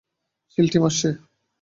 Seal team আসছে।